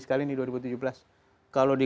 sekali ini dua ribu tujuh belas kalau di